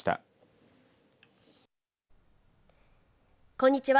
こんにちは。